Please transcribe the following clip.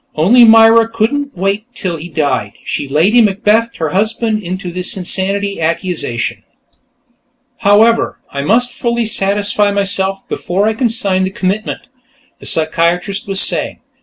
Only Myra couldn't wait till he died; she'd Lady Macbethed her husband into this insanity accusation. "... however, I must fully satisfy myself, before I can sign the commitment," the psychiatrist was saying.